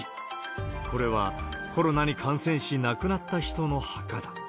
これはコロナに感染し、亡くなった人の墓だ。